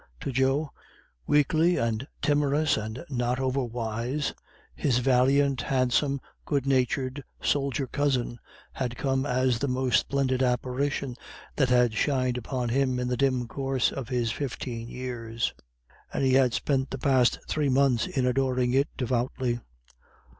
To Joe, weakly and timorous and not over wise, his valiant, handsome, good natured soldier cousin had come as the most splendid apparition that had shined upon him in the dim course of his fifteen years; and he had spent the past three months in adoring it very devoutly.